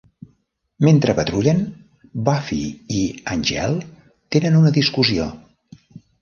Mentre patrullen, Buffy i Angel tenen una discussió.